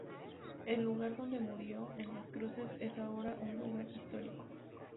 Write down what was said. El lugar donde murió, en Las Cruces, es ahora un lugar histórico.